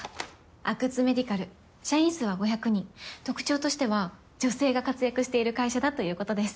阿久津メディカル社員数は５００人特徴としては女性が活躍している会社だということです。